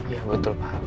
ya betul pak